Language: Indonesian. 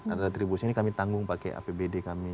ada retribusi ini kami tanggung pakai apbd kami